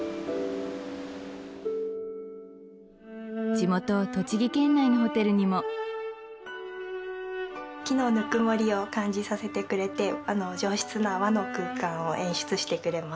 地元栃木県内のホテルにも木のぬくもりを感じさせてくれて上質な和の空間を演出してくれます